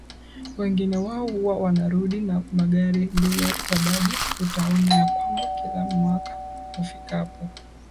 Wengi wao huwa wanarudi na magari ndiyo sababu utaona ya kwamba kila mwaka ufikapo